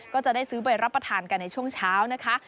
ก็จะได้ซื้อไปรับประทานกันในช่วงเช้านะคะ